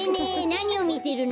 なにをみてるの？